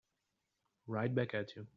Right back at you.